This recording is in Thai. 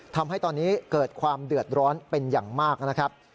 ทำให้ตอนนี้เกิดความเดือดร้อนเป็นอย่างมากนะครับ